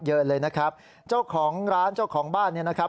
เยอะเลยนะครับเจ้าของร้านเจ้าของบ้านเนี่ยนะครับ